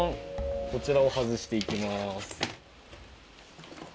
こちらを外して行きます。